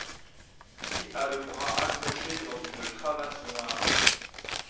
Qui a le bras accroché dans une cravate noire?